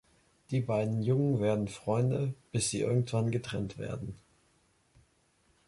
Die beiden Jungen werden Freunde, bis sie irgendwann getrennt werden.